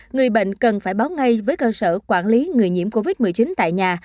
người bệnh cần phải báo ngay với cơ sở quản lý người nhiễm covid một mươi chín tại nhà